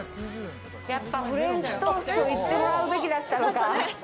やっぱフレンチトースト行ってもらうべきだったのか。